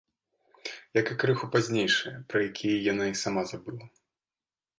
Як і крыху пазнейшыя, пра якія яна і сама забыла.